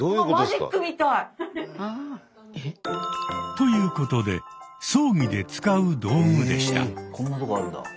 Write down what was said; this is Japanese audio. ということで「葬儀で使う道具」でした。